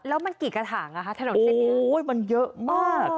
แล้วมันกี่กระถางอ่ะคะถนนเส้นนี้มันเยอะมาก